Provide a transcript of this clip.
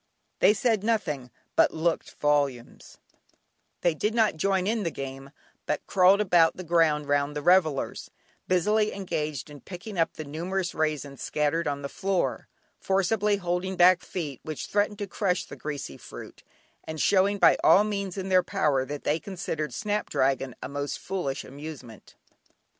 They said nothing, but looked volumes; they did not join in the game, but crawled about the ground round the revellers, busily engaged in picking up the numerous raisins scattered on the floor, forcibly holding back feet which threatened to crush the greasy fruit, and showing by all means in their power that they considered "Snap dragon" a most foolish amusement.